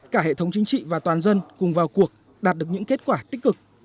cả hệ thống chính trị và toàn dân cùng vào cuộc đạt được những kết quả tích cực